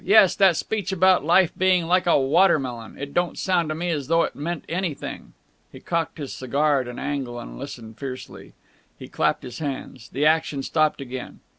"Yes, that speech about life being like a water melon. It don't sound to me as though it meant anything." He cocked his cigar at an angle, and listened fiercely. He clapped his hands. The action stopped again.